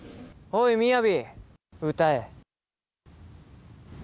おい、みやび、歌え。